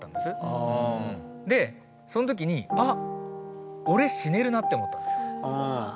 でその時に「あっ俺死ねるな」って思ったんですよ。